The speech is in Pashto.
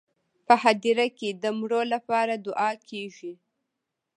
په هدیره کې د مړو لپاره دعا کیږي.